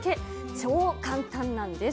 超簡単なんです。